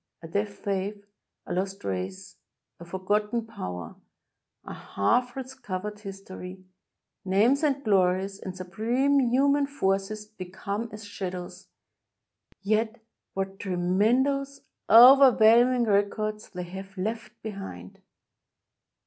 A dead faith — a lost race — a forgotten power — a half recovered his tory — names and glories and supreme human forces become as shadows — yet what tremendous, overwhelm ing records they have left behind!